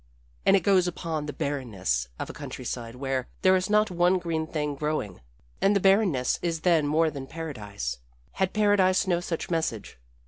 And it goes upon the barrenness of a countryside where there is not one green thing growing, and the barrenness is then more than paradise, had paradise no such message.